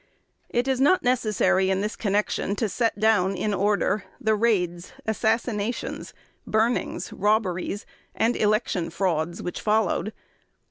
It is not necessary in this connection to set down, in order, the raids, assassinations, burnings, robberies, and election frauds which followed.